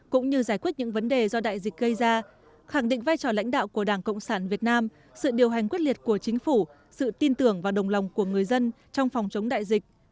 cũng như giải quyết những vấn đề do đại dịch gây ra khẳng định vai trò lãnh đạo của đảng cộng sản việt nam sự điều hành quyết liệt của chính phủ sự tin tưởng và đồng lòng của người dân trong phòng chống đại dịch